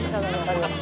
あります。